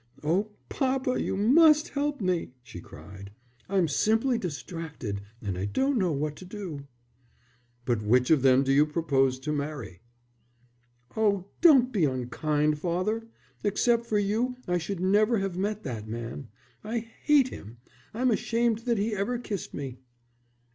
"Oh, papa, you must help me," she cried. "I'm simply distracted and I don't know what to do." "But which of them do you propose to marry?" "Oh, don't be unkind, father. Except for you I should never have met that man. I hate him. I'm ashamed that he ever kissed me."